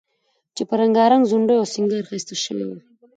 چې په رنګارنګ ځونډیو او سینګار ښایسته شوی و،